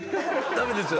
ダメですよ。